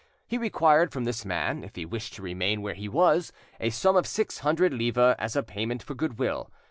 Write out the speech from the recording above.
He required from this man, if he wished to remain where he was, a sum of six hundred livres as a payment for goodwill.